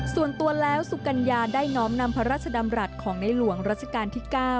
ส่วนตัวแล้วสุกัญญาได้น้อมนำพระราชดำรัฐของในหลวงรัชกาลที่๙